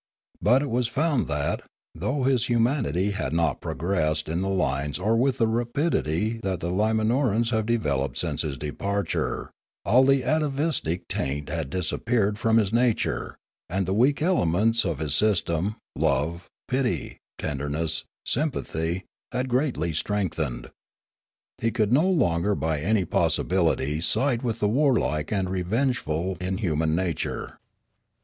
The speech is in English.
But it was found that, though his hu My Awakening 9 manity had not progressed in the lines or with the rapidity that the L,imanorans have developed since his departure, all the atavistic taint had disappeared from his nature, and the weak elements of his system, love, pity, tenderness, sympathy, had greatly strengthened. He could no longer by any possibility side with the warlike and revengeful in human nature.